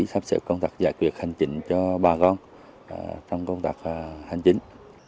sắp xếp công tập giải quyết hành trình cho bà con trong công tập hành trình